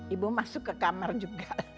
ibu masuk ke kamar juga